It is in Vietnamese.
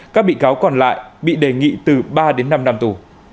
các bị cáo còn lại bị đề nghị từ ba đến năm năm tù